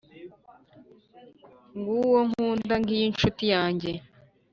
Nguwo uwo nkunda, ngiyo incuti yanjye,